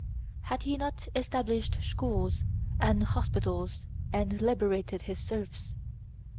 Had he not established schools and hospitals and liberated his serfs?